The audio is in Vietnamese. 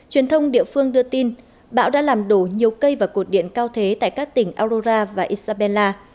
truyền thông địa phương đưa tin bão đã làm đổ nhiều cây và cột điện cao thế tại các tỉnh aurora và isabella